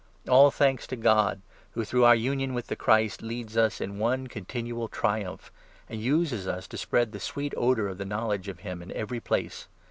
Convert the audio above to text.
All thanks to God, 14 who, through our union with the Christ, leads us in one con tinual triumph, and uses us to spread the sweet odour of the knowledge of him in every place.